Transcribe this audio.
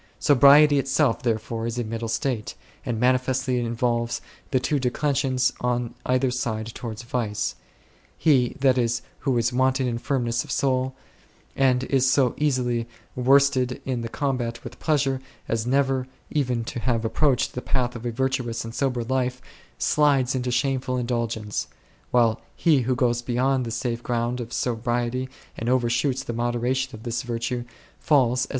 Sobriety itself there fore is a middle state, and manifestly involves the two declensions on either side towards vice ; he, that is, who is wanting in firmness of soul, and is so easily worsted in the combat with pleasure as never even to have approached the path of a virtuous and sober life, slides into shameful indulgence ; while he who goes be yond the safe ground of sobriety and overshoots the moderation of this virtue, falls as it were 8 l Tim.